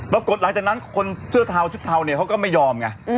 ปรากฏหลังจากนั้นคนเสื้อเทาชุดเทาเนี่ยเขาก็ไม่ยอมไง